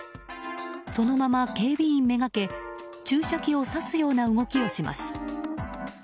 そのまま警備員めがけ注射器を刺すような動きをします。